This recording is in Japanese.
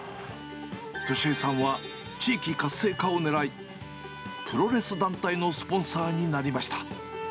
俊恵さんは地域活性化をねらい、プロレス団体のスポンサーになりました。